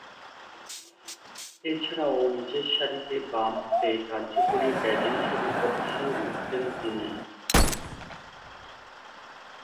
এছাড়াও, নিচেরসারিতে বামহাতে কার্যকরী ব্যাটিংশৈলী প্রদর্শন করতেন তিনি।